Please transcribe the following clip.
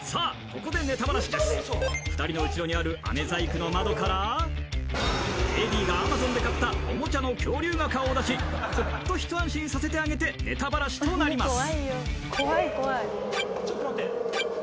ここでネタバラシです２人の後ろにある飴細工の窓からＡＤがアマゾンで買ったおもちゃの恐竜が顔を出しほっと一安心させてあげてネタバラシとなります